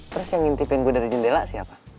terus yang ngintipin gue dari jendela siapa